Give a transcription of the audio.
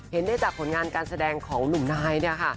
เห็นได้จากผลงานการแสดงของหนุ่มนายเนี่ยค่ะ